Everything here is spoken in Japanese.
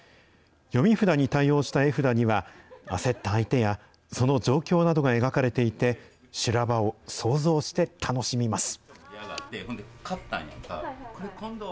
読み札に対応した絵札には、焦った相手や、その状況などが描かれていて、修羅場を想像して楽しみます。